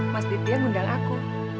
mas ditia mengundang aku